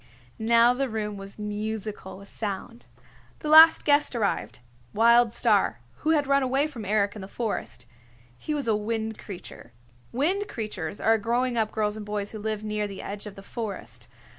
Now the room was musical with sound. The last guest arrived, Wild Star, who had run away from Eric in the forest. He was a Wind Creature. Wind Creatures are growing up girls and boys who live near the edge of the forest.